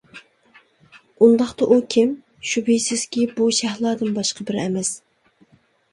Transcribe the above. ئۇنداقتا ئۇ كىم؟ شۈبھىسىزكى بۇ شەھلادىن باشقا بىرى ئەمەس.